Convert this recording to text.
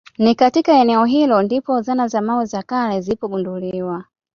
Ni katika eneo hilo ndipo zana za mawe za kale zilipogunduliwa